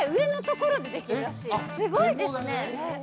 すごいですね。